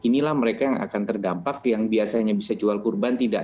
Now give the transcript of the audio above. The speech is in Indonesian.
inilah mereka yang akan terdampak yang biasanya bisa jual kurban tidak